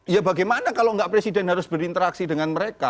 ya bagaimana kalau nggak presiden harus berinteraksi dengan mereka